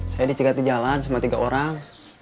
saya dicegat di jalan cuma tiga orang